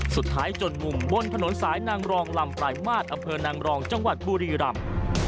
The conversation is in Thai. จนมุมบนถนนสายนางรองลำปลายมาตรอำเภอนางรองจังหวัดบุรีรำ